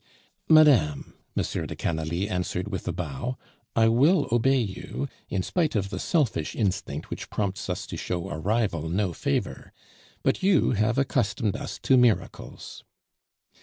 "Madame," M. de Canalis answered with a bow, "I will obey you, in spite of the selfish instinct which prompts us to show a rival no favor; but you have accustomed us to miracles."